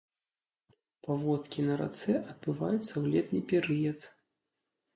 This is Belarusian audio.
Паводкі на рацэ адбываюцца ў летні перыяд.